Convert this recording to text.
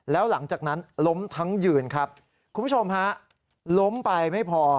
แล้วหลังจากนั้นล้มทั้งยืนครับคุณผู้ชมฮะล้มไปไม่พอ